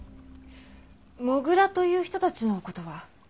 土竜という人たちの事は？